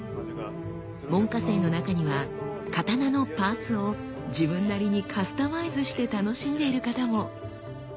門下生の中には刀のパーツを自分なりにカスタマイズして楽しんでいる方も。